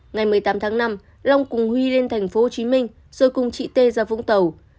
ngày một mươi tám tháng năm lòng cùng huy lên tp hcm rồi cùng chị tê ra vũng tàu